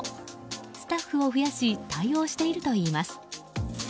スタッフを増やし対応しているといいます。